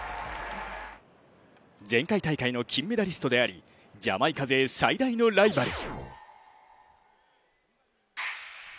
前回大会の金メダリストであり、ジャマイカ勢最大のライバル。